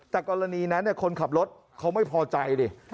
แต่กรณีนั้นคนขับรถเขาไม่พอใจดิ